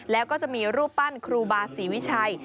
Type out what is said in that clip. แล้วก็จะมีรูปปั้นครูบาศรีวิชัย